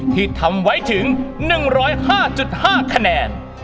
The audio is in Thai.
ที่ทำไว้ถึง๑๐๕๕คะแนน